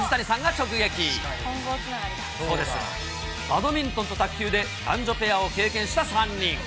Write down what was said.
バドミントンと卓球で男女ペアを経験した３人。